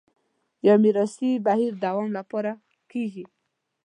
یا میراثي بهیر دوام لپاره کېږي